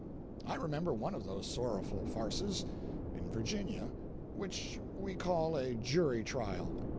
I remember one of those sorrowful farces, in Virginia, which we call a jury trial.